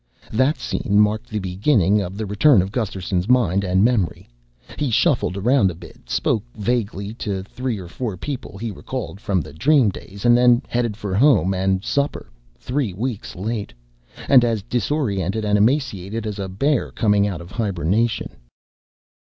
That scene marked the beginning of the return of Gusterson's mind and memory. He shuffled around for a bit, spoke vaguely to three or four people he recalled from the dream days, and then headed for home and supper three weeks late, and as disoriented and emaciated as a bear coming out of hibernation.